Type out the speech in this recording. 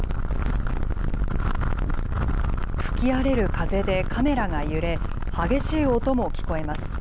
吹き荒れる風でカメラが揺れ激しい音も聞こえます。